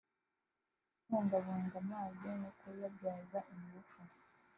kubungabunga amazi no kuyabyaza ingufu